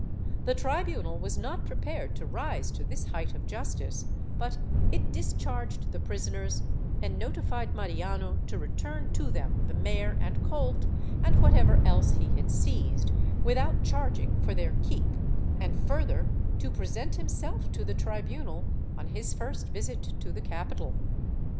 The tribunal was not prepared to rise to this height of justice, but it discharged the prisoners and notified Mariano to return to them the mare and colt and whatever else he had seized, without charging for their keep, and further to present himself to the tribunal on his first visit to the capital.